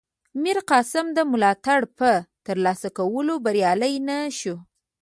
میرقاسم د ملاتړ په ترلاسه کولو بریالی نه شو.